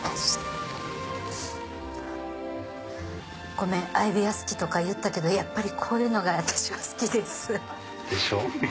ごめん相部屋好きとか言ったけどやっぱりこういうのが私は好きです。でしょ？